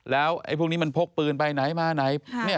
แล้วไอ้พวกนี้มันพกปืนไปไหนมาไหน